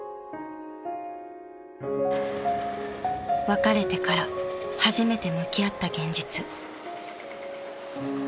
［別れてから初めて向き合った現実］